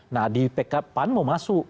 nah di pan mau masuk